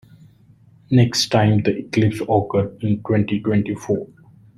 The next time the eclipse occurs is in twenty-twenty-four.